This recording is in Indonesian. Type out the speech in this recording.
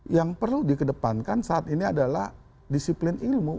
yang perlu dikedepankan saat ini adalah disiplin ilmu